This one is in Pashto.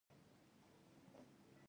زه چټل ځای نه خوښوم.